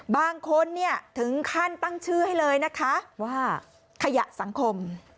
บางคนถึงคั่นตั้งชื่อให้เลยว่าขยะสังคม